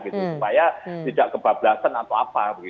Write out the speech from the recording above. supaya tidak kebablasan atau apa